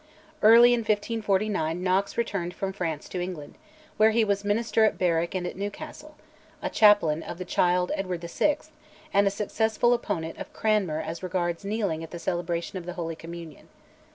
Early in 1549 Knox returned from France to England, where he was minister at Berwick and at Newcastle, a chaplain of the child Edward VI., and a successful opponent of Cranmer as regards kneeling at the celebration of the Holy Communion.